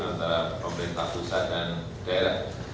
antara pemerintah pusat dan daerah